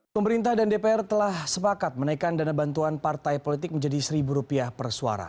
pemerintah dan dpr telah sepakat menaikkan dana bantuan partai politik menjadi rp satu per suara